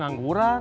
aku juga perempuan